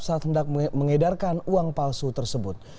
saat hendak mengedarkan uang palsu tersebut